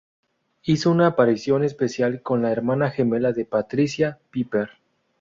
Hizo una aparición especial como la hermana gemela de Patricia, Piper.